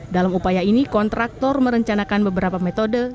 dalam upaya ini kontraktor merencanakan beberapa metode